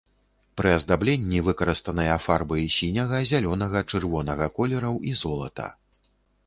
Пры аздабленні выкарыстаныя фарбы сіняга, зялёнага, чырвонага колераў і золата.